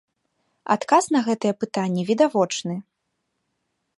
Адказ на гэтыя пытанні відавочны.